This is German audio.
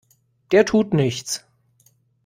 Der tut nichts!